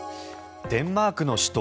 デンマークの首都